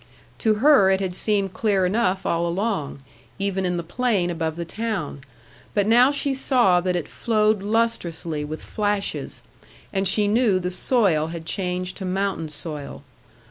To her it had seemed clear enough all along, even in the plain above the town. But now she saw that it flowed lustrously with flashes; and she knew the soil had changed to mountain soil.